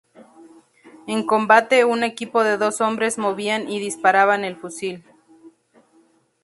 En combate, un equipo de dos hombres movían y disparaban el fusil.